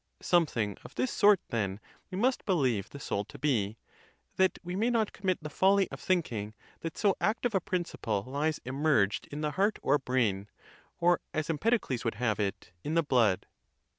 Something of this sort, then, we must believe the soul to be, that we may not commit the folly of think ing that so active a principle lies immerged in the heart or brain; or, as Empedocles would have it, in the blood.